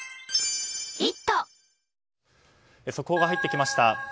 速報が入ってきました。